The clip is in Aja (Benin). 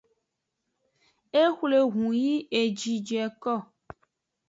E xwle ehun yi eji joeko.